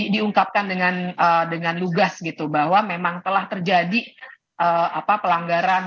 diungkapkan dengan lugas gitu bahwa memang telah terjadi pelanggaran